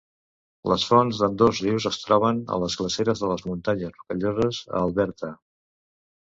Les fonts d'ambdós rius es troben a les glaceres de les muntanyes Rocalloses, a Alberta.